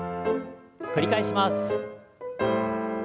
繰り返します。